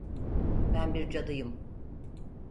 Ben bir cadıyım.